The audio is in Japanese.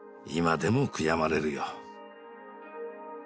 今でも悔やまれるよ。